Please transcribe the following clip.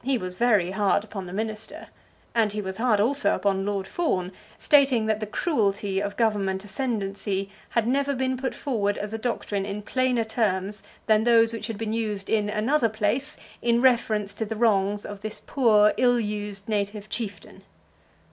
He was very hard upon the minister, and he was hard also upon Lord Fawn, stating that the cruelty of Government ascendancy had never been put forward as a doctrine in plainer terms than those which had been used in "another place" in reference to the wrongs of this poor ill used native chieftain.